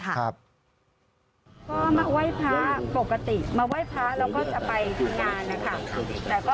ก็มาไหว้พระปกติมาไหว้พระแล้วก็จะไปถึงงานนะคะ